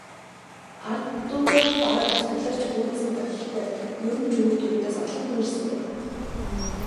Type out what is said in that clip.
Ардууд бараг цугларч гүйцсэн бололтой, ер нь ч урьд урьдаас олон хүн ирсэн байлаа.